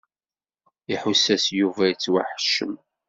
Iḥuss-as Yuba yettwaḥeccem.